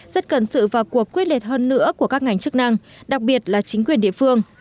rất cần sự vào cuộc quyết liệt hơn nữa của các ngành chức năng đặc biệt là chính quyền địa phương